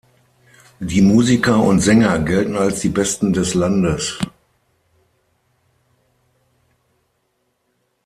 Die Musiker und Sänger gelten als die besten des Landes.